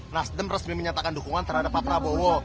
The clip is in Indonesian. nasdem resmi menyatakan dukungan terhadap pak prabowo